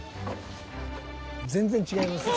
全然違いますね。